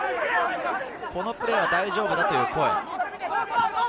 このプレーは大丈夫だという声。